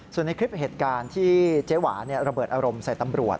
ส่วนในคลิปเหตุการณ์ที่เจ๊หวานระเบิดอารมณ์ใส่ตำรวจ